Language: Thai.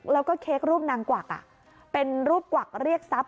แล้วก็เค้กรูปนางกวักเป็นรูปกวักเรียกทรัพย